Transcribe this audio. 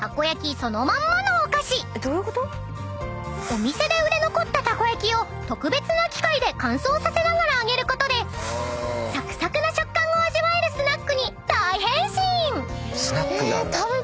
［お店で売れ残ったたこ焼きを特別な機械で乾燥させながら揚げることでサクサクな食感を味わえるスナックに大変身！］